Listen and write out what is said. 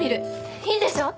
いいでしょう？